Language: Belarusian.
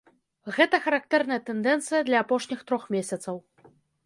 Гэта характэрная тэндэнцыя для апошніх трох месяцаў.